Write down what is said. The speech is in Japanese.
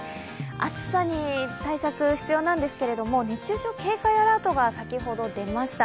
暑さに対策が必要なんですけど、熱中症警戒アラートが先ほど出ました。